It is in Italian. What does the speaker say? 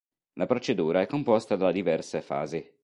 La procedura è composta da diverse fasi.